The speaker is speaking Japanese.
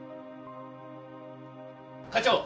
課長！